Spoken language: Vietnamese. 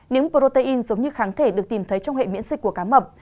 những protein giống như kháng thể được tìm thấy trong hệ miễn dịch của cá mập